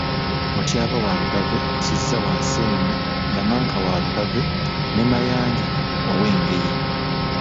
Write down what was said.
Mutyaba wa Lugave, Kizza wa Nseenene, Nnyamanka wa Lugave, ne Mayanja ow'Engeye.